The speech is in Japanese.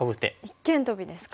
一間トビですか。